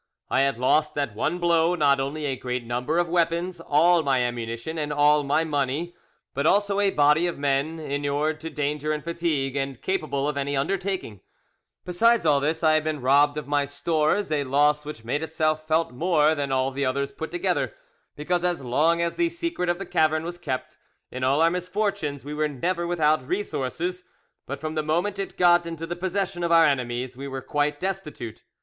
I had lost at one blow not only a great number of weapons, all my ammunition, and all my money, but also a body of men, inured to danger and fatigue, and capable of any undertaking;—besides all this, I had been robbed of my stores—a loss which made itself felt more than all the others put together, because as long as the secret of the cavern was kept, in all our misfortunes we were never without resources; but from the moment it got into the possession of our enemies we were quite destitute.